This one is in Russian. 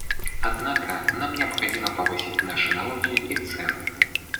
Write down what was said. Однако нам необходимо повысить наши налоги и цены.